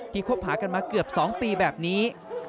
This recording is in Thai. คบหากันมาเกือบ๒ปีแบบนี้